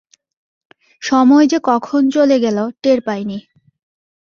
সময় যে কখন চলে গেল টের পাইনি।